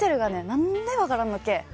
何で分からんのけ！